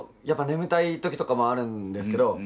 やっぱ眠たい時とかもあるんですけど。